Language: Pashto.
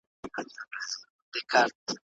هغه وخت خلګو ازادي لرله.